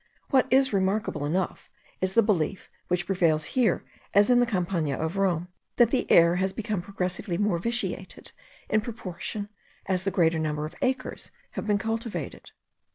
What is remarkable enough, is the belief which prevails here as in the Campagna of Rome, that the air has become progressively more vitiated in proportion as a greater number of acres have been cultivated.